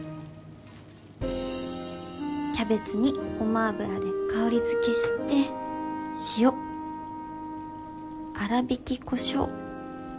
キャベツにごま油で香り付けして塩粗びきこしょう